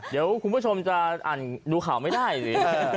เดี๋ยวคุณผู้ชมจะอ่านดูข่าวไม่ได้สิ